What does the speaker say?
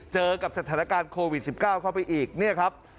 เจอกับสถานการณ์โควิด๑๙เข้าไปอีกเนี่ยครับ